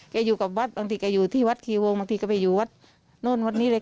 อยู่กับวัดบางทีแกอยู่ที่วัดคีวงบางทีก็ไปอยู่วัดโน่นวัดนี้เลย